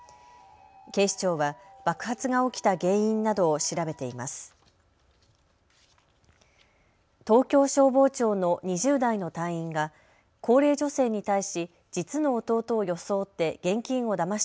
警視庁は爆発が起きた原因などを調べています。